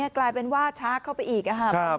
กลายเป็นว่าช้าเข้าไปอีกนะครับ